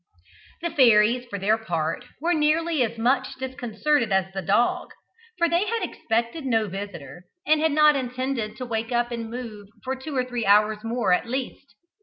The fairies, for their part, were nearly as much disconcerted as the dog, for they had expected no visitor, and had not intended to wake up and move for two or three hours more at least.